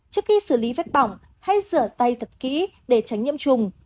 trước khi xử lý vết bỏng hay rửa tay thật kỹ để tránh nhiễm trùng